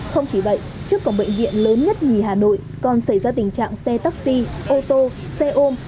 không chỉ vậy trước cổng bệnh viện lớn nhất nhì hà nội còn xảy ra tình trạng xe taxi ô tô xe ôm